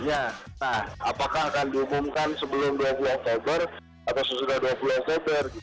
nah apakah akan diumumkan sebelum dua puluh oktober atau sesudah dua puluh oktober